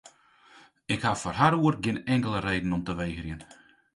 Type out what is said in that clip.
Ik ha foar har oer gjin inkelde reden om te wegerjen.